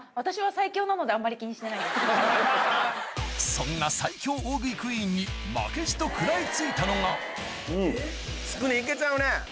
そんな最強大食いクイーンに負けじと食らいついたのがうん！